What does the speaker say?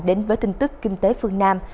đến với tin tức kinh tế phương nam